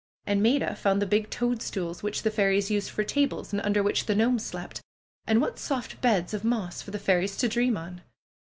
And Maida found the big toadstools which the fairies used for tables, and under which the gnomes slept. And what soft beds of moss for the fairies to dream on!